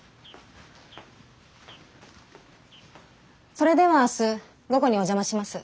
それでは明日午後にお邪魔します。